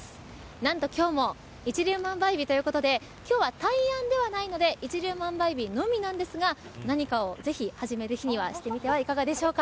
なんと、今日も一粒万倍日ということで今日は大安ではないので一粒万倍日のみなんですが何かを、ぜひ始める日にしてみてはいかがでしょうか。